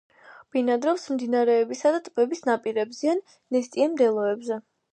ბინადრობს მდინარეებისა და ტბების ნაპირებზე ან ნესტიან მდელოებზე.